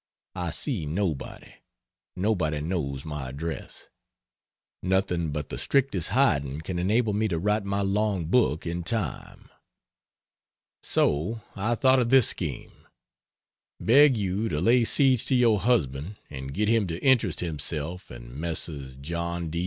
I see nobody. Nobody knows my address. Nothing but the strictest hiding can enable me to write my long book in time. So I thought of this scheme: Beg you to lay siege to your husband and get him to interest himself and Mess. John D.